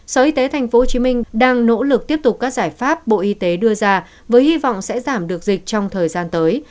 sở y tế tp hcm đang nỗ lực tiếp tục các giải pháp bộ y tế đưa ra với hy vọng sẽ giảm được dịch trong thời gian tới